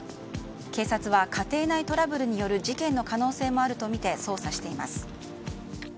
警察は家庭内トラブルによる事件の可能性もあるとみて捜査しています。